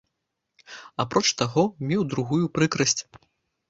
Апроч таго, меў другую прыкрасць.